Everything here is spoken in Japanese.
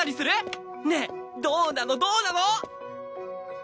ねえどうなのどうなの！？